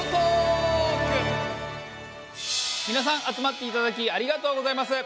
みなさん集まっていただきありがとうございます。